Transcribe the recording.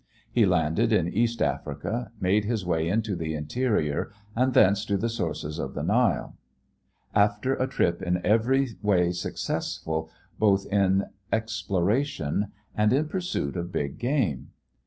He landed in East Africa, made his way into the interior, and thence to the sources of the Nile, after a trip in every way successful both in exploration and in pursuit of big game.